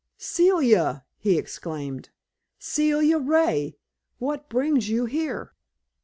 "Celia!" he exclaimed. "Celia Ray, what brings you here?"